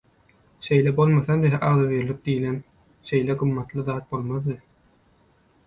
Şeýle bolmasady agzybirlik diýlen, şeýle gymmatly zat bolmazdy.